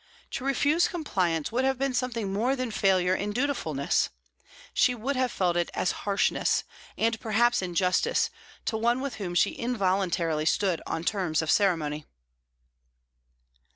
To refuse compliance would have been something more than failure in dutifulness; she would have felt it as harshness, and perhaps injustice, to one with whom she involuntarily stood on terms of ceremony.